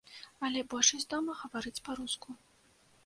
Але большасць дома гаворыць па-руску.